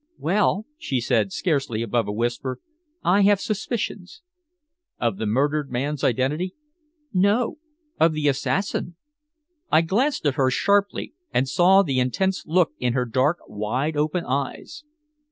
"Well," she said, scarcely above a whisper, "I have suspicions." "Of the murdered man's identity?" "No. Of the assassin." I glanced at her sharply and saw the intense look in her dark, wide open eyes.